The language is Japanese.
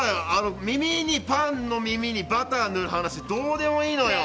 パンの耳にバター塗る話どうでもいいのよ！